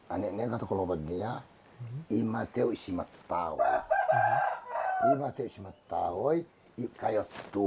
anak anaknya kalau begitu